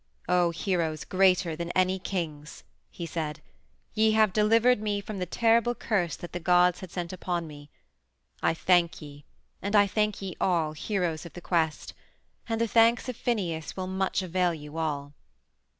"O heroes greater than any kings," he said, "ye have delivered me from the terrible curse that the gods had sent upon me. I thank ye, and I thank ye all, heroes of the quest. And the thanks of Phineus will much avail you all."